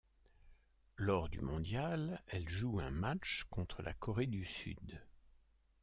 Lors du mondial, elle joue un match contre la Corée du Sud.